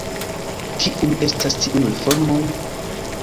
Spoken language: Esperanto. Kiuj estas tiuj reformoj?